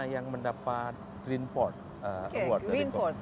yang mendapat greenport award